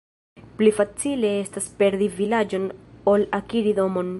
Pli facile estas perdi vilaĝon, ol akiri domon.